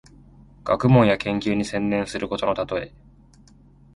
学問や研究に専念することのたとえ。